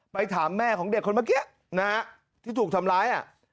ถามแม่ของเด็กคนเมื่อกี้นะฮะที่ถูกทำร้าย